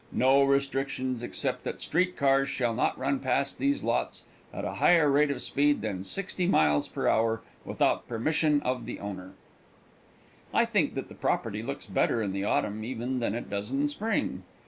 No restrictions except that street cars shall not run past these lots at a higher rate of speed than sixty miles per hour without permission of the owner. I think that the property looks better in the autumn even than it does in spring.